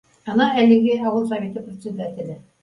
Ана әлеге ауыл Советы председателе